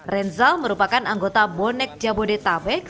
renzal merupakan anggota bonek jabodetabek